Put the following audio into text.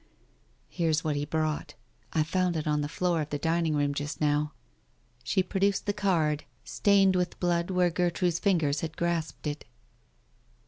Here's what he brought. I found it on the floor of the dining room just now." She produced the card, stained with blood where Gertrude's fingers had grasped it.